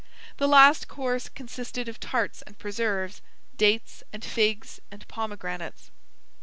The last course consisted of tarts and preserves, dates and figs and pomegranates.